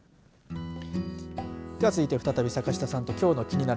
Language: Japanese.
では続いて再び坂下さんのきょうのキニナル！